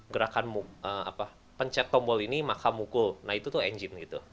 gerakan pencet tombol ini maka mukul nah itu tuh engine gitu